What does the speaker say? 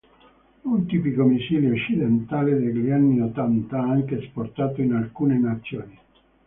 Un tipico missile occidentale degli anni ottanta, anche esportato in alcune nazioni.